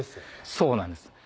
そうなんです。